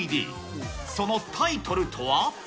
そのタイトルとは？